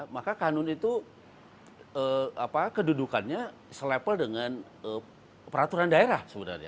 maka kanun itu kedudukannya selepel dengan peraturan daerah sebenarnya